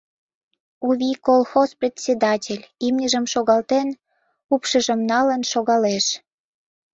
«У вий» колхоз председатель, имньыжым шогалтен, упшыжым налын шогалеш.